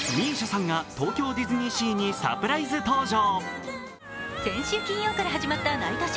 ＭＩＳＩＡさんが東京ディズニーシーにサプライズ登場。